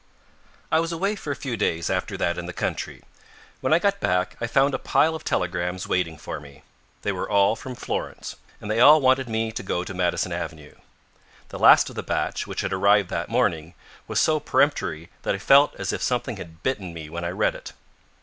I was away for a few days after that in the country. When I got back I found a pile of telegrams waiting for me. They were all from Florence, and they all wanted me to go to Madison Avenue. The last of the batch, which had arrived that morning, was so peremptory that I felt as if something had bitten me when I read it.